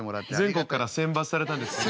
全国から選抜されたんですよね。